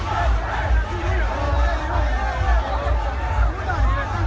มันอาจจะไม่เอาเห็น